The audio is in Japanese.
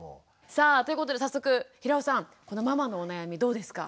さあということで早速平尾さんこのママのお悩みどうですか？